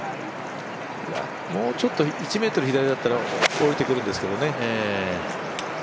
もうちょっと、１ｍ左だったら下りてくるんですけどね。